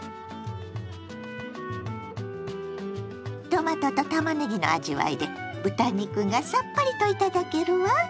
トマトとたまねぎの味わいで豚肉がさっぱりと頂けるわ。